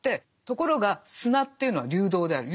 ところが砂というのは流動である。